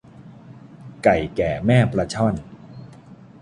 ไก่แก่แม่ปลาช่อน